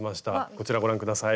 こちらをご覧下さい。